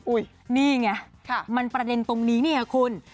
อุ๊ยนี่ไงมันประเด็นตรงนี้ค่ะคุณ